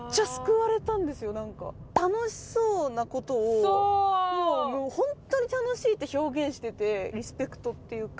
楽しそうなことをホントに楽しいって表現しててリスペクトっていうか。